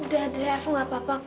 udah andre aku nggak apa apa kok